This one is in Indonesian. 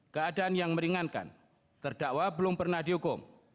keadaan yang meringankan terdakwa belum pernah dihukum